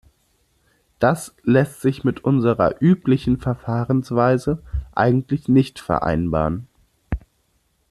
Das lässt sich mit unserer üblichen Verfahrensweise eigentlich nicht vereinbaren.